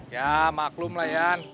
yah maklum lah yaan